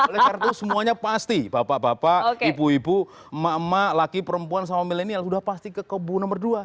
oleh karena itu semuanya pasti bapak bapak ibu ibu emak emak laki perempuan sama milenial sudah pasti ke kubu nomor dua